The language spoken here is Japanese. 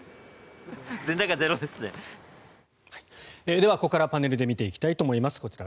ではここからパネルで見ていきます。